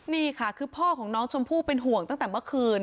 นี่ค่ะคือพ่อของน้องชมพู่เป็นห่วงตั้งแต่เมื่อคืน